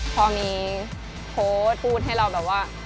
พอมีโพสต์พูดให้เราแบบว่า